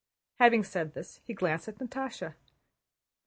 Having said this he glanced at Natásha.